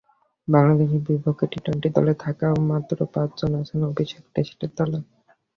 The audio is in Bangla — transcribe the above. বাংলাদেশের বিপক্ষে টি টোয়েন্টি দলে থাকা মাত্র পাঁচজন আছেন অভিষেক টেস্টের দলে।